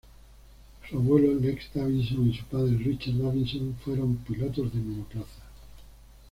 Su abuelo Lex Davison y su padre Richard Davison fueron pilotos de monoplazas.